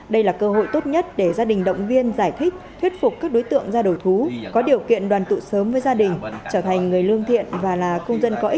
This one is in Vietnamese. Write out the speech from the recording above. đây là cơ hội tốt nhất để gia đình động viên giải thích thuyết phục các đối tượng ra đầu thú có điều kiện đoàn tụ sớm với gia đình trở thành người lương thiện và là công dân có ý nghĩa